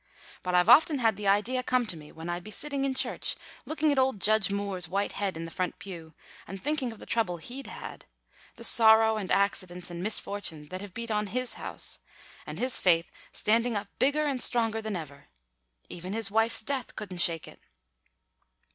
But I've often had the idea come to me when I'd be sitting in church looking at old Judge Moore's white head in the front pew, and thinking of the trouble he'd had the sorrow and accidents and misfortune that have beat on his house and his faith standing up bigger and stronger than ever. Even his wife's death couldn't shake it."